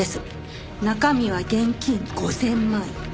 中身は現金５０００万円。